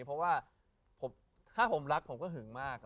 เพราะว่าถ้าผมรักผมก็หึงมาก